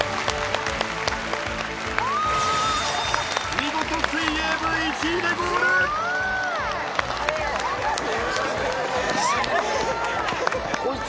［見事水泳部１位でゴール！］と思って。